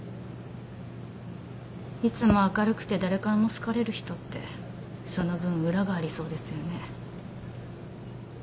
いつも明るくて誰からも好かれる人ってその分裏がありそうですよね。